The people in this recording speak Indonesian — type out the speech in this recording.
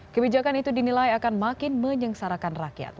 kebijakan itu dinilai akan makin menyengsarakan rakyat